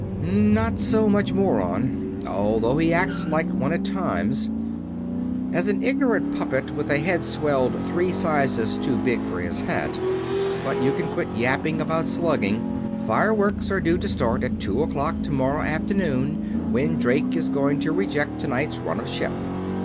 "Not so much moron although he acts like one at times as an ignorant puppet with a head swelled three sizes too big for his hat. But you can quit yapping about slugging fireworks are due to start at two o'clock tomorrow afternoon, when Drake is going to reject tonight's run of shell."